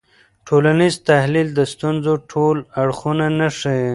ټولنیز تحلیل د ستونزو ټول اړخونه نه ښيي.